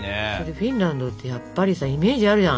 フィンランドってやっぱりさイメージあるじゃん。